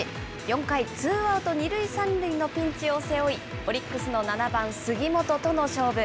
４回、ツーアウト２塁３塁のピンチを背負い、オリックスの７番杉本との勝負。